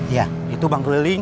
iya itu bang keliling